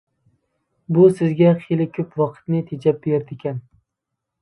بۇ سىزگە خېلى كۆپ ۋاقىتنى تېجەپ بېرىدىكەن.